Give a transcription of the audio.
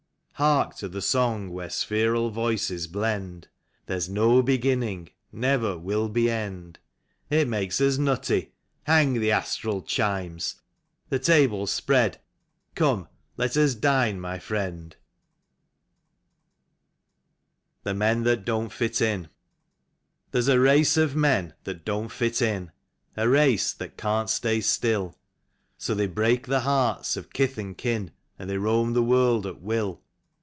Hark to the song where spheral voices blend: " There's no beginning, never will be end.'' It makes us nutty; hang the astral chimes! The table's spread ; come, let us dine, my friend. 47 THE MEN THAT DOWT FIT IN. There's a race of men that don't fit in, A race that can't stay still; So they break the hearts of kith and kin. And they roam the world at will.